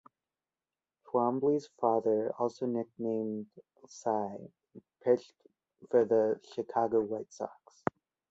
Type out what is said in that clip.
Twombly's father, also nicknamed "Cy", pitched for the Chicago White Sox.